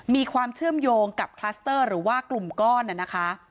มีความเชื่อมโยงกับคลัสเตอร์หรือว่ากลุ่มก้อนนะคะ